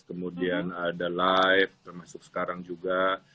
kemudian ada live termasuk sekarang juga